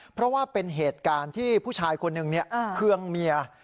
เพราะว่าเป็นเหตุการณ์ที่ผู้ชายคนหนึ่งเคืองเมีย